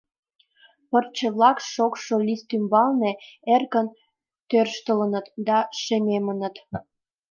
Пырче-влак шокшо лист ӱмбалне эркын тӧрштылыныт да шемемыныт.